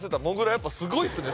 やっぱすごいっすね